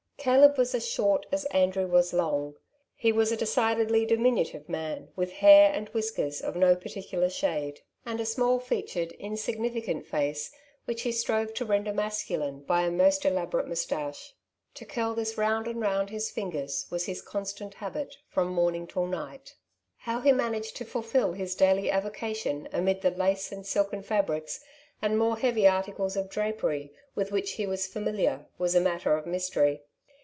Caleb was as short as Andrew was long. He was a decidedly diminutive man, with hair and whiskers of no particular shade, and a small featured, insig nificant face, which he strove to render masculine by a most elaborate moustache. To curl this round and round his fingers was his constant habit from 46 " Two Sides to every Question r morning till night. How he managed to fulfil his daily avocation amid the lace and silken fabrics, and more heavy articles of drapery, with which he was familiar, was a matter of mystery.